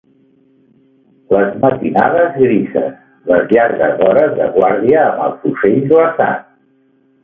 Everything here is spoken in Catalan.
Les matinades grises, les llargues hores de guàrdia amb el fusell glaçat